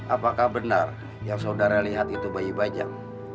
apakah benar yang saudara lihat itu bayi bajang